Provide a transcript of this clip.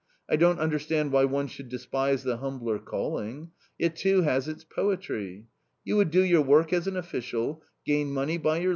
I don't understand why one should ^ .(despise the humbler calling ? it, too, has its po etry, j You would do your work as an official, gain money Dy your [ iwuuiu.